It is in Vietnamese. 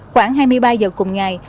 khoảng hai mươi ba giờ cùng ngày